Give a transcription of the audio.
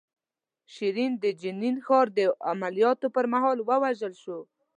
شیرین د جنین ښار د عملیاتو پر مهال ووژل شوه.